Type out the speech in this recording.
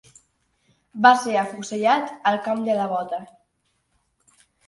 Va ser afusellat al Camp de la Bota.